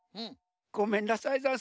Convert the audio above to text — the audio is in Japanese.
ごめんなさいざんす。